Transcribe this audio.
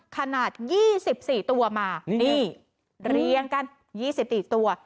ขนาด๒๔ตัวมานี่เรียงกัน๒๔ตัว